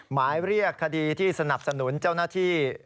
หมายเรียกคดีที่สนับสนุนเจ้าหน้าที่